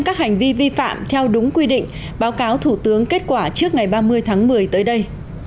các hành vi vi phạm theo đúng quy định báo cáo thủ tướng kết quả trước ngày ba mươi tháng một mươi tới đây